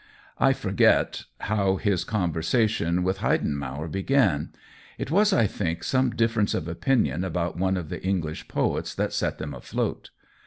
I forget how his conversation with Hei denmauer began ; it was, I think, some dif ference of opinion about one of the English poets that set them afloat.